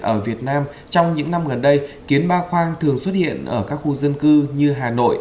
ở việt nam trong những năm gần đây kiến ba khoang thường xuất hiện ở các khu dân cư như hà nội